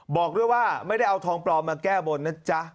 บอกด้วยว่าไม่ได้เอาทองปลอมมาแก้บนนะจ๊ะ